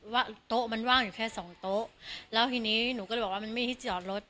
ว่าโต๊ะมันว่างอยู่แค่สองโต๊ะแล้วทีนี้หนูก็เลยบอกว่ามันไม่ให้จอดรถ